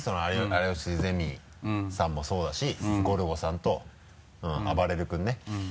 「有吉ゼミ」さんもそうだしゴルゴさんとあばれる君ね。